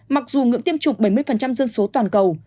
mặc dù ngưỡng tiêm chủng bảy mươi dân số toàn cầu